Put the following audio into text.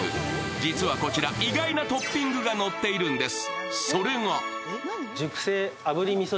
実はこちら、意外なトッピングがのっているんです。